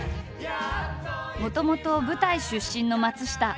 もともと舞台出身の松下。